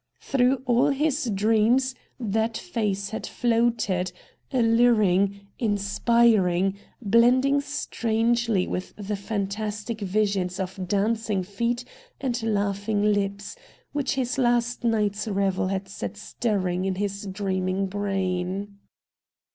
Through all his dreams that face had floated, alluring, inspiring,, blending VOL. I. M i62 RED DIAMONDS strangely with the fantastic visions of dancing feet and laughing lips, which his last night's revel had set stirring in his dreaming brain.